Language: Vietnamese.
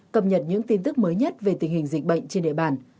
cập nhật những tin tức mới nhất về tình hình dịch bệnh trên địa bàn